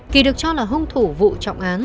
kỳ được cho là hung thủ vụ trọng án